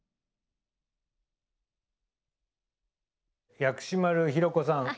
薬師丸ひろ子さん